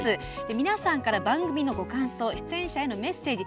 皆さんから番組のご感想出演者へのメッセージ。